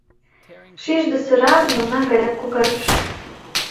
Шижде сыра, мелна гаяк когаргыше...